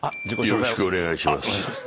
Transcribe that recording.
よろしくお願いします。